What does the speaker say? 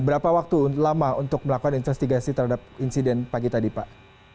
berapa waktu lama untuk melakukan investigasi terhadap insiden pagi tadi pak